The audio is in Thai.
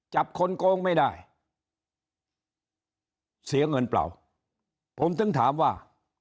จับคนโกงไม่ได้เสียเงินเปล่าผมถึงถามว่า